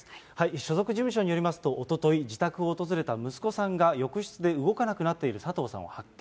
所属事務所によりますと、おととい、自宅を訪れた息子さんが浴室で動かなくなっている佐藤さんを発見。